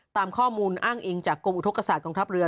ตามข้อมูลอ้างอิงจากกรมอุทธกษากองทัพเรือ